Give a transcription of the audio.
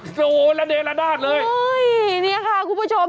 โอ้โฮระเด็นระดาษเลยโอ้โฮนี่ค่ะคุณผู้ชม